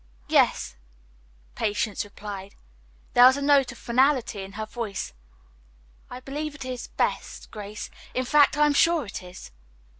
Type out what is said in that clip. "Yes," Patience replied. There was a note of finality in her voice. "I believe it is best, Grace. In fact, I am sure it is."